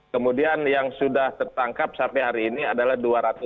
kemudian yang sudah tertangkap sampai hari ini adalah dua ratus dua puluh